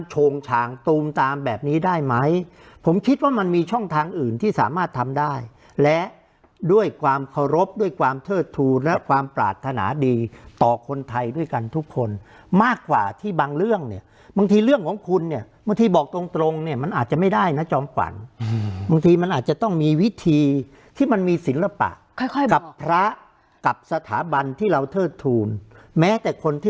โชงชางตูมตามแบบนี้ได้ไหมผมคิดว่ามันมีช่องทางอื่นที่สามารถทำได้และด้วยความเคารพด้วยความเทิดทูลและความปรารถนาดีต่อคนไทยด้วยกันทุกคนมากกว่าที่บางเรื่องเนี่ยบางทีเรื่องของคุณเนี่ยบางทีบอกตรงตรงเนี่ยมันอาจจะไม่ได้นะจอมขวัญบางทีมันอาจจะต้องมีวิธีที่มันมีศิลปะกับพระกับสถาบันที่เราเทิดทูลแม้แต่คนที่